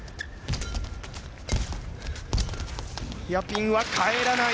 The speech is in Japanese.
ヘアピンは返らない。